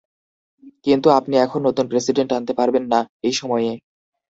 কিন্তু আপনি এখন নতুন প্রেসিডেন্ট আনতে পারবেন না, এই সময়ে।